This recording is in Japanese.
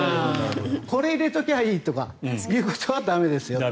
これを入れておけばいいとかっていうことはだめですよと。